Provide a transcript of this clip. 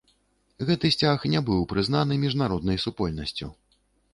Гэты сцяг не быў прызнаны міжнароднай супольнасцю.